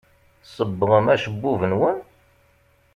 Tsebbɣem acebbub-nwen?